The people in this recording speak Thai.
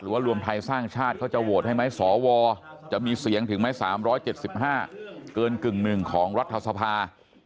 รวมไทยสร้างชาติเขาจะโหวตให้ไหมสวจะมีเสียงถึงไหม๓๗๕เกินกึ่งหนึ่งของรัฐสภา